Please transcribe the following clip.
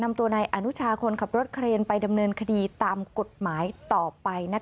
นำตัวนายอนุชาคนขับรถเครนไปดำเนินคดีตามกฎหมายต่อไป